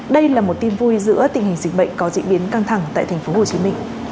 đây là một tin vui giữa tình hình dịch bệnh có diễn biến căng thẳng tại tp hcm